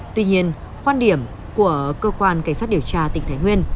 tuy nhiên quan điểm của cơ quan cảnh sát điều tra tỉnh thái nguyên